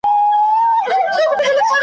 چي په ښار او په مالت کي څه تیریږي .